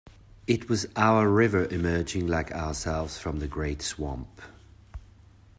It was our river emerging like ourselves from the great swamp.